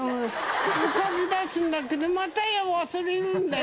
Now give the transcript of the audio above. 浮かびだすんだけど、また忘れるんだよ。